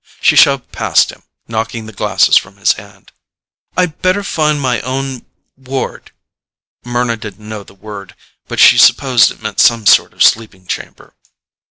She shoved past him, knocking the glasses from his hand. "I'd better find my own ward." Mryna didn't know the word, but she supposed it meant some sort of sleeping chamber.